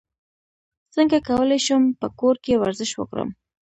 څنګه کولی شم په کور کې ورزش وکړم